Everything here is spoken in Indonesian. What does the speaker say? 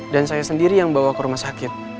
dan saya sendiri yang bawa ke rumah sakit